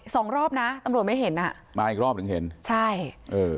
สองรอบนะตำรวจไม่เห็นอ่ะมาอีกรอบหนึ่งเห็นใช่เออ